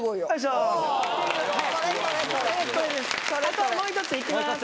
あともう１ついきます！